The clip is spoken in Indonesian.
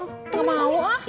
gak mau ah